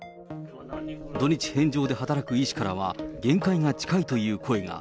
土日返上で働く医師からは限界が近いという声が。